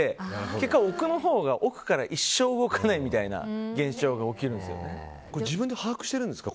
結果奥のほうが奥から一生動かないみたいな自分で把握してるんですか？